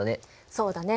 そうだね。